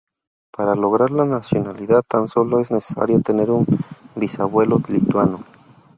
Para lograr la nacionalidad tan sólo es necesario tener un bisabuelo lituano.